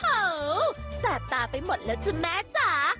แท๊ะแท๊ะแท๊ะโอ้โหสระตาไปหมดแล้วท่ะแม่จ๋า